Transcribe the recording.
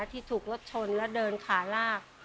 ที่ถูกรถชนแล้วเดินขาลาก